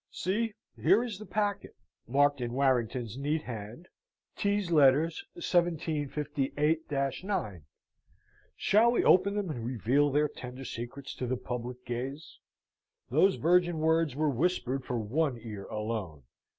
See, here is the packet, marked in Warrington's neat hand, "T's letters, 1758 9." Shall we open them and reveal their tender secrets to the public gaze? Those virgin words were whispered for one ear alone.